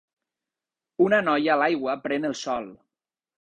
Una noia a l'aigua pren el sol